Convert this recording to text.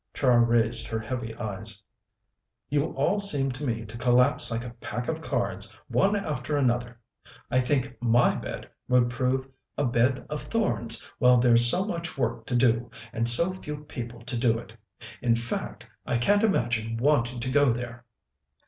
Char raised her heavy eyes. "You all seem to me to collapse like a pack of cards, one after another. I think my bed would prove a bed of thorns while there's so much work to do, and so few people to do it. In fact, I can't imagine wanting to go there."